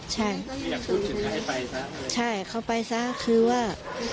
ใช่ใช่เขาไปซะคือว่า